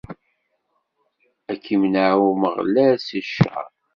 Ad k-imneɛ Umeɣlal si ccer.